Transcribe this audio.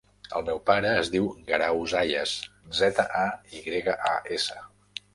El meu pare es diu Guerau Zayas: zeta, a, i grega, a, essa.